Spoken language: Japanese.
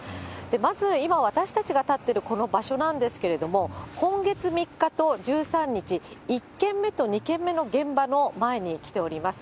まず今、私たちが立っているこの場所なんですけれども、今月３日と１３日、１件目と２件目の現場の前に来ております。